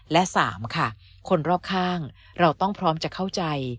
และ๓ค่ะคนรอบข้างเราต้องพร้อมจะเข้าใจ